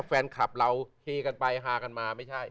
แฟนคลับเราเฮกันไปฮากันมา